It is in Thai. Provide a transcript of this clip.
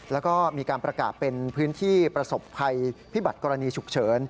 แล้วก็มีการประกาศเป็นพื้นที่ประสบภัยพิบัติกรณีฉุกเฉิน